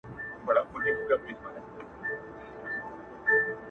کيسه د يوې نجلۍ له نوم سره تړلې پاتې کيږي،